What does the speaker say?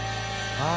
ああ。